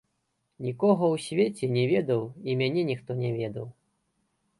Нікога ў свеце не ведаў і мяне ніхто не ведаў.